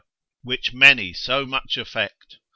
which many so much affect.